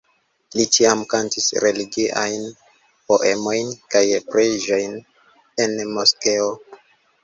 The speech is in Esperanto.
Li ĉiam kantis religiajn poemojn kaj preĝojn en moskeo.